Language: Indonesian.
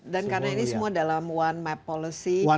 dan karena ini semua dalam one map policy